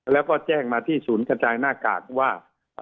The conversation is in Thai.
แล้วก็แจ้งมาที่ศูนย์กระจายหน้ากากว่า